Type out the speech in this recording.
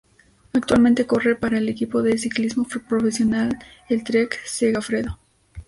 Actualmente corre para el equipo de ciclismo profesional el Trek-Segafredo.